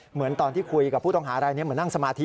เหมือนตอนที่คุยกับผู้ต้องหารายนี้เหมือนนั่งสมาธิ